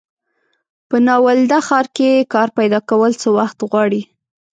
په ناولده ښار کې کار پیداکول څه وخت غواړي.